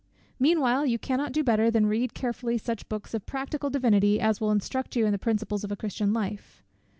Meanwhile you cannot do better than read carefully such books of practical divinity, as will instruct you in the principles of a Christian life.